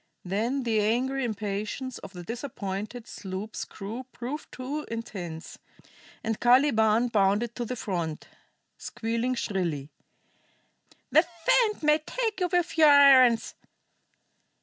Then the angry impatience of the disappointed sloop's crew proved too intense, and Caliban bounded to the front, squealing shrilly: "The fiend may take you with your irons!